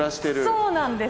そうなんです